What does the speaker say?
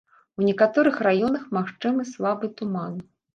У некаторых раёнах магчымы слабы туман.